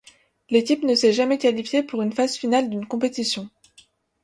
L'équipe ne s'est jamais qualifiée pour une phase finale d'une compétition.